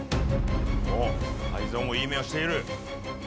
泰造もいい目をしている。